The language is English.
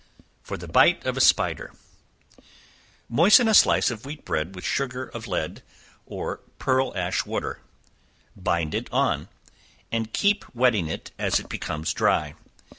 For the Bite of a Spider. Moisten a slice of wheat bread with sugar of lead, or pearl ash water; bind it on, and keep wetting it as it becomes dry.